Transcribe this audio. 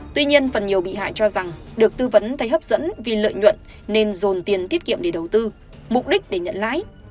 tuy nhiên phần nhiều bị hại cho rằng được tư vấn thấy hấp dẫn vì lợi nhuận nên dồn tiền tiết kiệm để đầu tư mục đích để nhận lãi